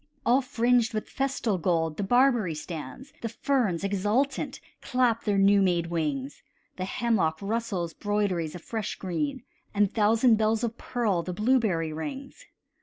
All fringed with festal gold the barberry stands; The ferns, exultant, clap their new made wings; The hemlock rustles broideries of fresh green, And thousand bells of pearl the blueberry rings.